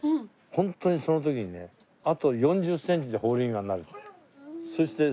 ホントにその時にねあと４０センチでホールインワンになると。